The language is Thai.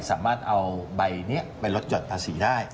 สามารถเอาใบนี้ไปลดหย่อนภาษีได้